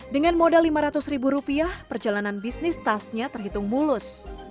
dengan modal lima ratus ribu rupiah perjalanan bisnis tasnya terhitung mulus